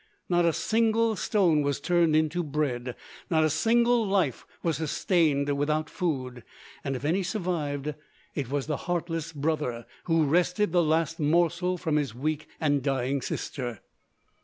Not a single stone was turned into bread; not a single life was sustained without food; and if any survived, it was the heartless brother who wrested the last morsel from his weak and dying sister.